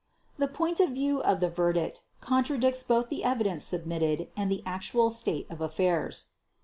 The point of view of the verdict contradicts both the evidence submitted and the actual state of affairs.